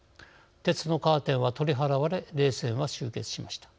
鉄のカーテンは取り払われ冷戦は終結しました。